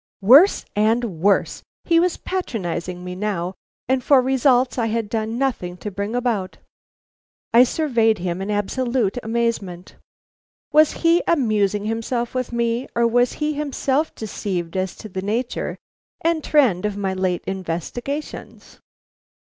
Worse and worse! He was patronizing me now, and for results I had done nothing to bring about. I surveyed him in absolute amazement. Was he amusing himself with me, or was he himself deceived as to the nature and trend of my late investigations.